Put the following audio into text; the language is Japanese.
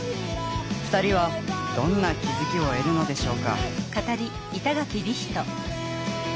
２人はどんな気づきを得るのでしょうか。